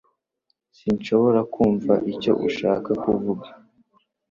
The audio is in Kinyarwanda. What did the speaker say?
Sinshobora kumva icyo ushaka kuvuga